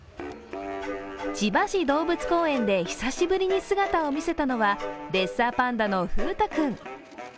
千葉市動物公園で久しぶりに姿を見せたのはレッサーパンダの風太くん。